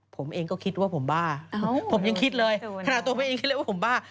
ผมเองก็คิดว่าผมบ้าผมยังคิดเลยขนาดตัวแม่เองคิดเลยว่าผมบ้า